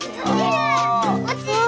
落ちる。